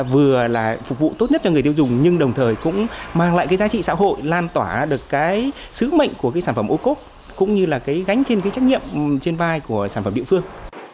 và lại cái giá trị xã hội lan tỏa được cái sứ mệnh của cái sản phẩm ô cốt cũng như là cái gánh trên cái trách nhiệm trên vai của sản phẩm địa phương